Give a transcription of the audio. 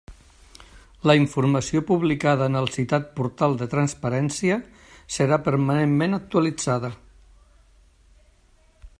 La informació publicada en el citat Portal de Transparència serà permanentment actualitzada.